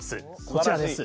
こちらです。